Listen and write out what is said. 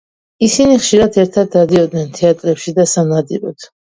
ისინი ხშირად ერთად დადიოდნენ თეატრებში და სანადიროდ.